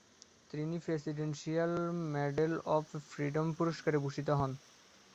তিনি presidential medal of freedom পুরস্কারে ভূষিত হন।